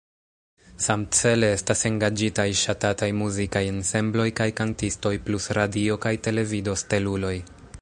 Samcele estas engaĝitaj ŝatataj muzikaj ensembloj kaj kantistoj plus radio- kaj televido-steluloj.